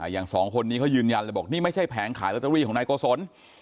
อย่างสองคนนี้เขายืนยันเลยบอกนี่ไม่ใช่แผงขายลอตเตอรี่ของนายโกศล